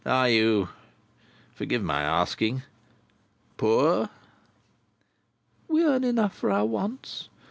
"Are you—forgive my asking—poor?" "We earn enough for our wants.